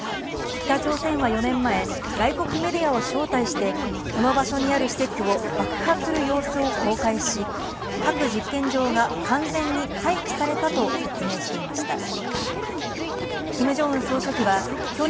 北朝鮮は４年前、外国メディアを招待して、この場所にある施設を爆破する様子を公開し、核実験場が完全に廃棄されたと説明していました。